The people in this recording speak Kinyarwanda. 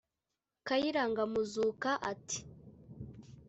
Kayiranga Muzuka ati